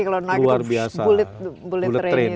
kalau naik itu bullet train